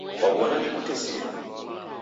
Kwaw'ona nikutesie?